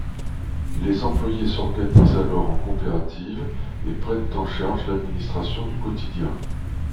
Les employés s'organisent alors en coopérative et prennent en charge l'administration du quotidien.